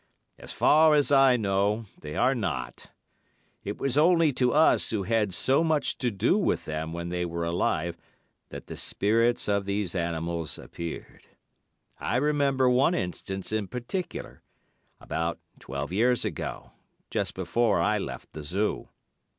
As far as I know, they are not. It was only to us who had so much to do with them when they were alive that the spirits of these animals appeared. I remember one instance in particular, about twelve years ago, just before I left the Zoo.